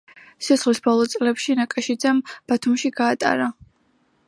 სიცოცხლის ბოლო წლები ნაკაშიძემ ბათუმში გაატარა.